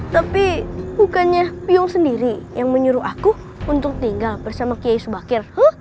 tapi bukannya pyong sendiri yang menyuruh aku untuk tinggal bersama kiai subakir